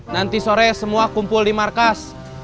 nanti sore semua kumpul di markas